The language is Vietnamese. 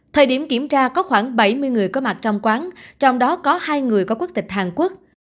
thời điểm kiểm tra có khoảng bảy mươi người có mặt trong quán trong đó có hai người có quốc tịch hàn quốc